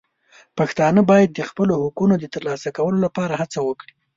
پښتانه باید د خپلو حقونو د ترلاسه کولو لپاره هڅه وکړي.